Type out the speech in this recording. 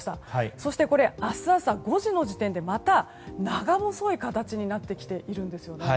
そして、明日朝５時の時点でまた長細い形になってきているんですね。